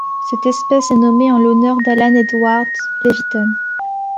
Cette espèce est nommée en l'honneur d'Alan Edward Leviton.